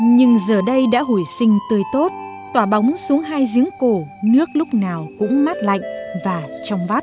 nhưng giờ đây đã hồi sinh tươi tốt tỏa bóng xuống hai giếng cổ nước lúc nào cũng mát lạnh và trong vắt